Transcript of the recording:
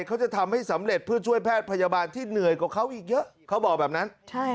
เขาจะทำให้สำเร็จเพื่อช่วยแพทย์พยาบาลที่เหนื่อยกว่าเขาอีกเยอะเขาบอกแบบนั้น